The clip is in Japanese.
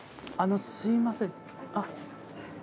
あのすいません。